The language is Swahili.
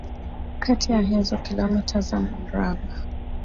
kati ya hizo Kilomita za Mraba